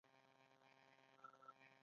د اشتها لپاره د انار دانې وخورئ